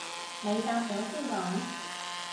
你答咗先講